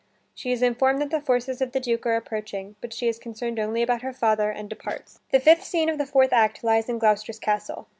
She is informed that the forces of the Dukes are approaching, but she is concerned only about her father and departs. The fifth scene of the fourth act lies in Gloucester's castle.